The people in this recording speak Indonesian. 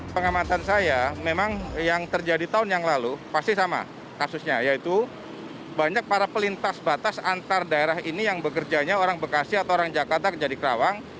pengamatan saya memang yang terjadi tahun yang lalu pasti sama kasusnya yaitu banyak para pelintas batas antar daerah ini yang bekerjanya orang bekasi atau orang jakarta kerja di kerawang